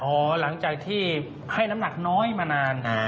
หลังจากที่ให้น้ำหนักน้อยมานาน